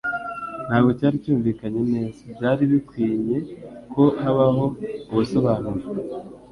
ntabwo cyari cyumvikanye neza. Byari bikwinye ko habaho ubusobanuro.